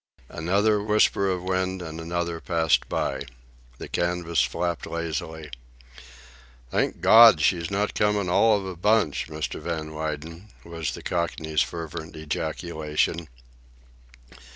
Another whisper of wind, and another, passed by. The canvas flapped lazily. "Thank Gawd she's not comin' all of a bunch, Mr. Van Weyden," was the Cockney's fervent ejaculation.